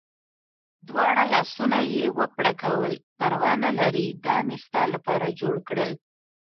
دواړه لاسونه یې و پړکول، پروا نه لرې دا مې ستا لپاره جوړ کړل.